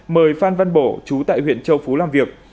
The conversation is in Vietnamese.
mời phan văn bổ chú tại huyện châu phú làm việc